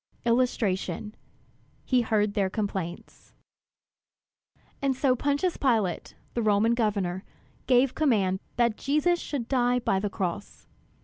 [Illustration: He heard their complaints] And so Pontius Pilate, the Roman governor, gave command that Jesus should die by the cross.